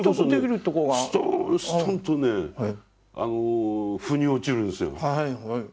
それこそねストーンストンとね腑に落ちるんですよ